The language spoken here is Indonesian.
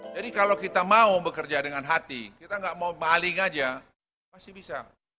jadi kalau kita mau bekerja dengan hati kita nggak mau maling aja pasti bisa